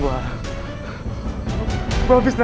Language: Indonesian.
gua tous berbicara